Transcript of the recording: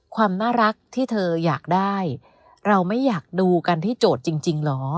ความน่ารักที่เธออยากได้เราไม่อยากดูกันที่โจทย์จริงเหรอ